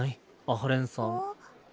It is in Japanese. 阿波連さん。